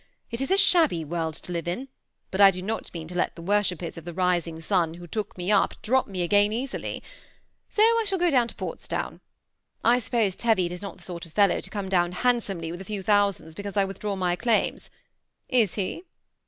It is a shabby world to live in, but I do not mean to let the worshippers c^ the rising sun who took me up drop me again easily. So I shall go down to Portsdown. I suppose Teviot is not the sort of fellow to come down handsomely with a few thousands, because I withdraw my claims. Is he